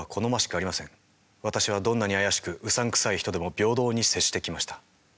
私はどんなに怪しくうさんくさい人でも平等に接してきました。